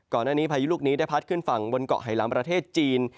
ก่อนอันนี้พายุลูกนี้ได้พัดขึ้นฝั่งบนเกาะไหลล้ำประเทศจีน